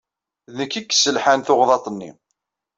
D nekk i yesselḥan tuɣḍaṭ-nni.